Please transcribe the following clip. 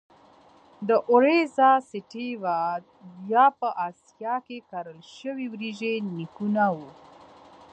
د Oryza sativa یا په اسیا کې کرل شوې وریجې نیکونه وو.